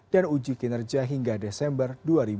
dan uji kinerja hingga desember dua ribu dua puluh dua